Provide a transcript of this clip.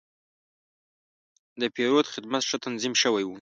د پیرود خدمت ښه تنظیم شوی و.